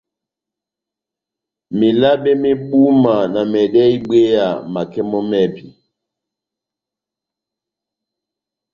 Melabɛ mé búma na mɛdɛ́hɛ́ ibwéya makɛ mɔ́ mɛ́hɛ́pi.